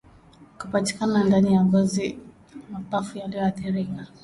kupatikana ndani ya ngozi na mapafu yaliyoathirika